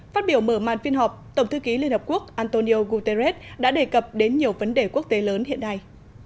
phát biểu mở màn phiên họp tổng thư ký liên hợp quốc antonio guterres đã đề cập đến nhiều vấn đề quốc tế lớn hiện nay